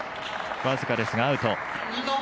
僅かですがアウト。